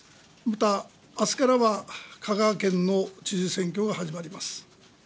また、あすからは香川県の知事選挙が始まります。